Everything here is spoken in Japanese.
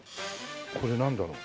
これなんだろう？